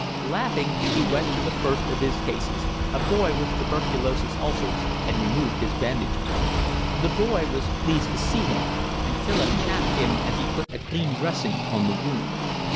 Laughing, he went to the first of his cases, a boy with tuberculous ulcers, and removed his bandages. The boy was pleased to see him, and Philip chaffed him as he put a clean dressing on the wound.